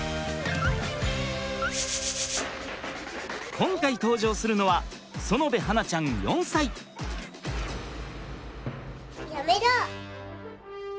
今回登場するのはやめろ。